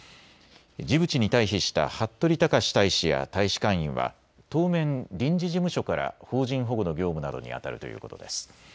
ジブチに退避した服部孝大使や大使館員は当面、臨時事務所から邦人保護の業務などにあたるということです。